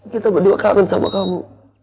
kita berdua kangen sama kamu